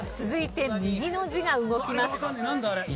続いて右の字が動きます。